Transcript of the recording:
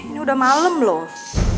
ini udah malem loh